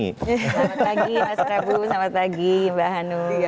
selamat pagi mas rebu selamat pagi mbak hanu